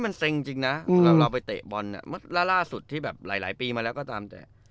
เมื่อเราไปเตะบอนล่าสุดที่หลายปีมาแล้วก็ตามแต่